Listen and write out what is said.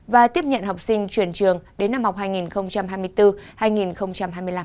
và tiếp nhận học sinh chuyển trường đến năm học hai nghìn hai mươi bốn hai nghìn hai mươi năm